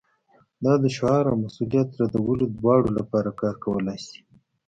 دا د شعار او مسؤلیت ردولو دواړو لپاره کار کولی شي